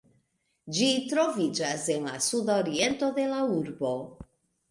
Ĝi troviĝas en la sudoriento de la urbo.